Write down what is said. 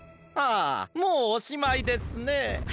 あもうおしまいですね。